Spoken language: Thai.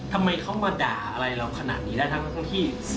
ทำไมเขามาด่าอะไรเราขนาดนี้ได้